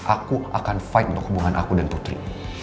aku akan fight untuk hubungan aku dan putri